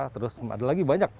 terus ada lagi banyak